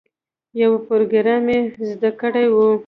یو پروګرام یې زده کړی وي.